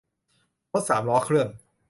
รถสามล้อเครื่อง